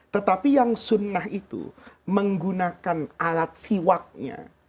tetapi yang sunnah itu menggunakan alat siwaknya